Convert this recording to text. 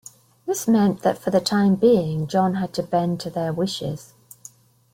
This meant that, for the time being, John had to bend to their wishes.